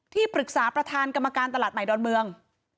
ปรึกษาประธานกรรมการตลาดใหม่ดอนเมือง